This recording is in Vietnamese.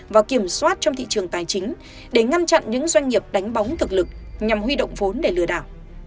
và kiểm soát trong thị trường tài chính để ngăn chặn những doanh nghiệp đánh bóng thực lực nhằm huy động vốn để lừa đảo